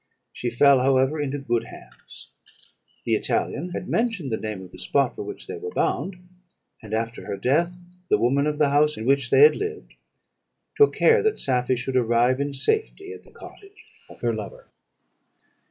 She fell, however, into good hands. The Italian had mentioned the name of the spot for which they were bound; and, after her death, the woman of the house in which they had lived took care that Safie should arrive in safety at the cottage of her lover."